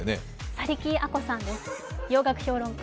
去木アコさんです、洋楽評論家。